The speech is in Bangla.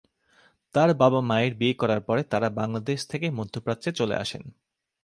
তার বাবা-মায়ের বিয়ে করার পরে তারা বাংলাদেশে থেকে মধ্যপ্রাচ্যে চলে আসেন।